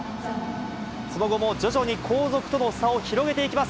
その後も徐々に後続との差を広げていきます。